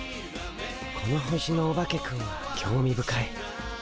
この星のオバケくんは興味深い。